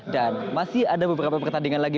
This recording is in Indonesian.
dan masih ada beberapa pertandingan lagi